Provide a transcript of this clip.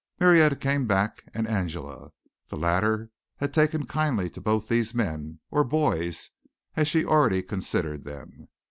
Marietta came back, and Angela. The latter had taken kindly to both these men, or boys as she already considered them.